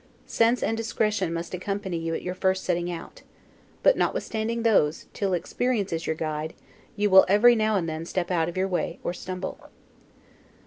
Sense and discretion must accompany you at your first setting out; but, notwithstanding those, till experience is your guide, you will every now and then step out of your way, or stumble.